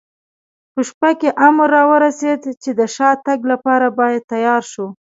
په شپه کې امر را ورسېد، چې د شاتګ لپاره باید تیار شو.